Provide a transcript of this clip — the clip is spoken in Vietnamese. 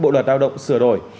loạt lao động sửa đổi